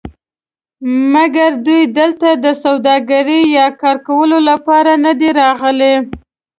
مګر دوی دلته د سوداګرۍ یا کار کولو لپاره ندي راغلي.